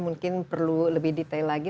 mungkin perlu lebih detail lagi